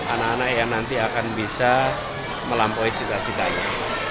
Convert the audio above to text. anak anak yang nanti akan bisa melampaui cita citanya